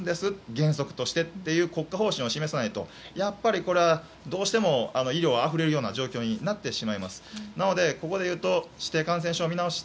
原則としてという国家方針を示さないとどうしてもやっぱり医療があふれるような状況になってしまいます。